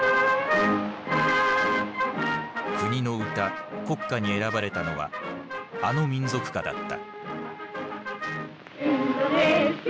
国の歌国歌に選ばれたのはあの民族歌だった。